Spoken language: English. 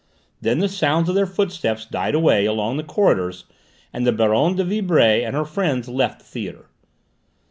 Then the sound of their footsteps died away along the corridors, and the Baronne de Vibray and her friends left the theatre.